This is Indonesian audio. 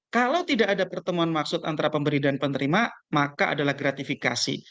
kalau tidak ada pertemuan maksud antara pemberi dan penerima maka adalah gratifikasi